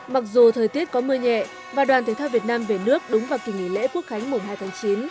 mặc dù thời tiết có mưa nhẹ và đoàn thể thao việt nam về nước đúng vào kỳ nghỉ lễ quốc khánh mùng hai tháng chín